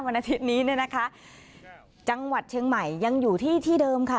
อาทิตย์นี้เนี่ยนะคะจังหวัดเชียงใหม่ยังอยู่ที่ที่เดิมค่ะ